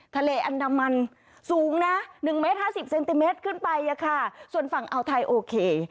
ทะเลอันดามันสูงนะ๑เมตร๕๐เซนติเมตรขึ้นไปค่ะส่วนฝั่งอัลไทยโอเค